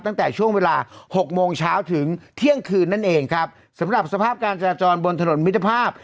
ตั้งแต่ช่วงเวลาหกโมงเช้าถึงเที่ยงคืนนั่นเองครับสำหรับสภาพการจราจรบนถนนมิตรภาพ